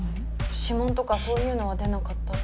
指紋とかそういうのは出なかったって。